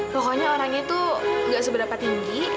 pokoknya orang itu gak seberapa tinggi